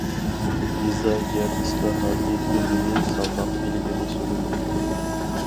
يېزا يەر ئىسلاھاتى تۈزۈمى سالماق ئىلگىرى سۈرۈلدى.